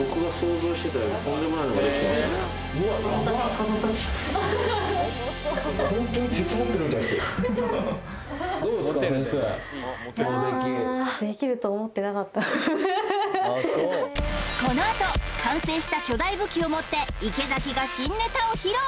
この出来このあと完成した巨大武器を持って池崎が新ネタを披露